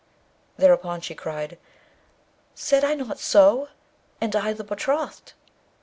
.' Thereupon she cried, 'Said I not so? and I the betrothed.'